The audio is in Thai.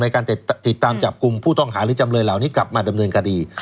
การติดตามจับกลุ่มผู้ต้องหาหรือจำเลยเหล่านี้กลับมาดำเนินคดี